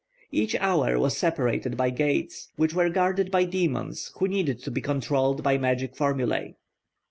Each hour was separated by gates, which were guarded by demons who needed to be controlled by magic formulae.